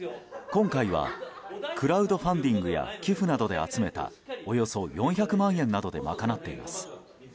今回はクラウドファンディングや寄付などで集めたおよそ４００万円などで賄っています。